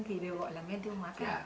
thì đều gọi là men tiêu hóa